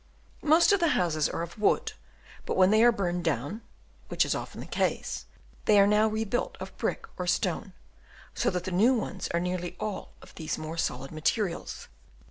Most of the houses are of wood, but when they are burned down (which is often the case) they are now rebuilt of brick or stone, so that the new ones are nearly all of these more solid materials.